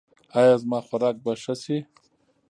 ایا زما خوراک به ښه شي؟